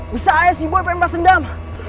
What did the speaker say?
bisa aja sih boy pengen pasendam